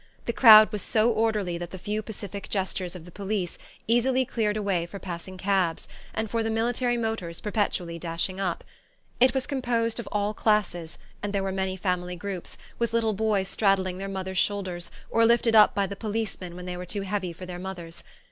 The crowd was so orderly that the few pacific gestures of the police easily cleared a way for passing cabs, and for the military motors perpetually dashing up. It was composed of all classes, and there were many family groups, with little boys straddling their mothers' shoulders, or lifted up by the policemen when they were too heavy for their mothers.